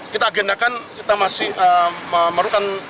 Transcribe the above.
kita agendakan kita masih memerlukan barang bukti